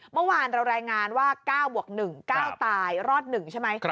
เมื่อวานเรารายงานว่า๙บวก๑๙ตายรอด๑ใช่ไหม